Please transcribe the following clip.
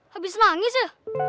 habis manggis ya